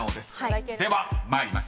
［では参ります。